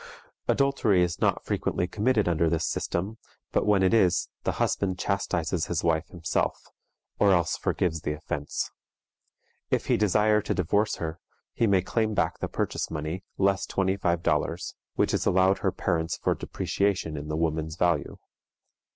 Adultery is not frequently committed under this system, but when it is, the husband chastises his wife himself, or else forgives the offense. If he desire to divorce her, he may claim back the purchase money, less twenty five dollars, which is allowed her parents for depreciation in the woman's value.